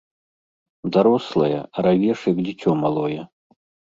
Дарослая, а равеш як дзіцё малое.